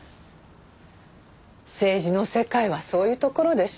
政治の世界はそういうところでしょう？